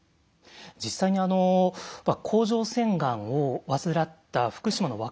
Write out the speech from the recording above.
実際に甲状腺がんを患った福島の若者たちの声